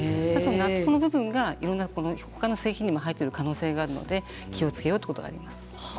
その部分が他の製品にも入っている可能性があるので気をつけようということはあります。